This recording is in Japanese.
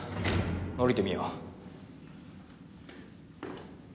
下りてみよう。